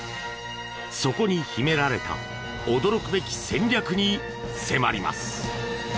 そこに秘められた驚くべき戦略に迫ります。